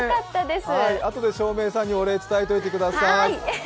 あとで照明さんにお礼伝えておいてください。